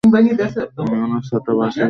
উনি ওনার ছাতা বাসে ভুলে এসেছেন।